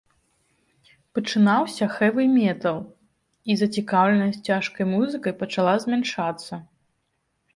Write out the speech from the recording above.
Пачынаўся хэві-метал, і зацікаўленасць цяжкай музыкай пачала змяншацца.